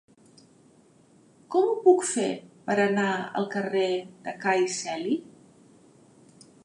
Com ho puc fer per anar al carrer de Cai Celi?